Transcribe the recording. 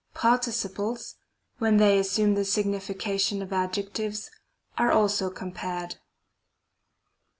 Participles, when they assume the signification of adjectives, are also compared.